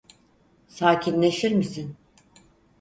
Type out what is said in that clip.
Sakinleşir misin?